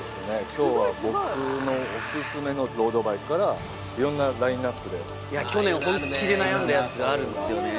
今日は僕のオススメのロードバイクから色んなラインナップでいや去年本気で悩んだやつがあるんですよね